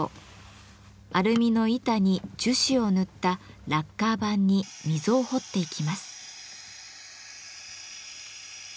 アルミの板に樹脂を塗った「ラッカー盤」に溝を彫っていきます。